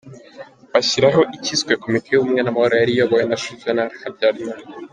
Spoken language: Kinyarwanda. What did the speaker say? Bashyiraho ikiswe Komite y’ubumwe n’amahoro yari iyobowe na Juvénal Habyalimana.